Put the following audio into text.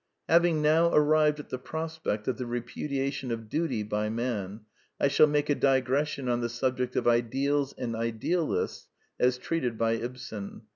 Having now arrived at the prospect of the repudiation of duty by Man, I shall make a digression on the subject of ideals and idealists, as treated by Ibsen.